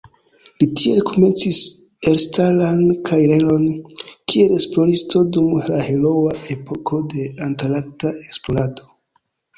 Li tiel komencis elstaran karieron kiel esploristo dum la heroa epoko de antarkta esplorado.